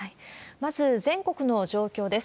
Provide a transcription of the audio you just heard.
まず全国の状況です。